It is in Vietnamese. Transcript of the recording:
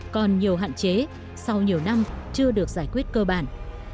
còn nhiều hạn chế sau nhiều năm chưa được giải quyết cơ bản